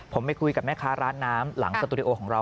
ผมไปคุยกับแม่ค้าร้านน้ำหลังสตูดิโอของเรา